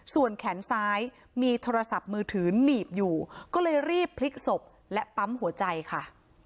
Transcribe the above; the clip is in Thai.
ส่วนแขนซ้ายมีโทรศัพท์มือถือหนีบอยู่ก็เลยรีบพลิกศพและปั๊มหัวใจค่ะ